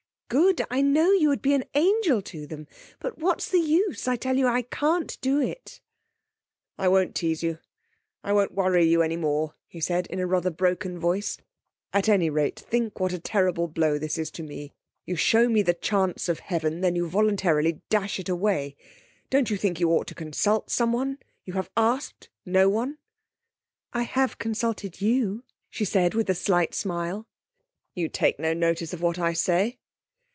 'Good? I know you would be an angel to them! But what's the use? I tell you I can't do it.' 'I won't tease you, I won't worry you any more,' he said, in a rather broken voice. 'At any rate, think what a terrible blow this is to me. You show me the chance of heaven, then you voluntarily dash it away. Don't you think you ought to consult someone? You have asked no one?' 'I have consulted you,' she said, with a slight smile. 'You take no notice of what I say.'